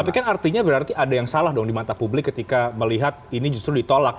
tapi kan artinya berarti ada yang salah dong di mata publik ketika melihat ini justru ditolak